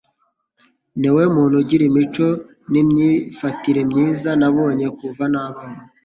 Ni wowe muntu ugira imico n’imyifatire byiza nabonye kuva nabaho